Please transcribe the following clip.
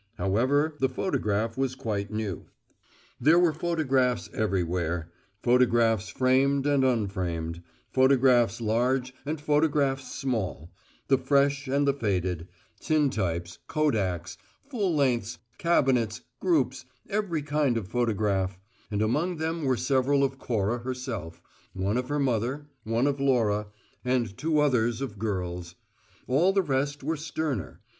However, the photograph was quite new. There were photographs everywhere photographs framed and unframed; photographs large and photographs small, the fresh and the faded; tintypes, kodaks, "full lengths," "cabinets," groups every kind of photograph; and among them were several of Cora herself, one of her mother, one of Laura, and two others of girls. All the rest were sterner.